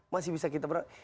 masih bisa kita berangkat